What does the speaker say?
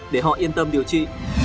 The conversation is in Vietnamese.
để họ yên tâm điều trị